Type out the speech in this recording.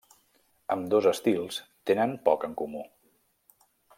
Ambdós estils tenen poc en comú.